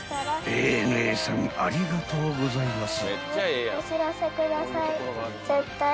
［ＡＮＡさんありがとうございます］